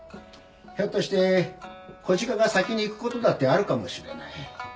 ひょっとして小鹿が先に逝く事だってあるかもしれない。